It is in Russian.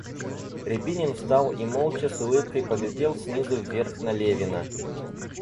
Рябинин встал и молча с улыбкой поглядел снизу вверх на Левина.